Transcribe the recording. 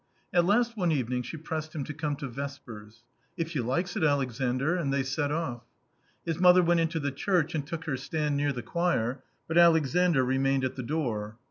At last one evening she pressed him to come to Vespers. "If you like," said Alexandr, and they set off. His mother went into the church and took her stand near the choir, but Alexandr remained at the door.